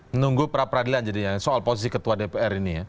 menunggu pra peradilan jadinya soal posisi ketua dpr ini ya